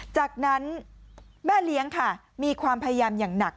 จากนั้นแม่เลี้ยงค่ะมีความพยายามอย่างหนัก